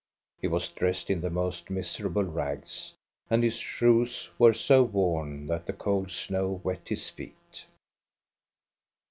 He was dressed in the most miserable rags, and his shoes were so worn that the cold snow wet his feet.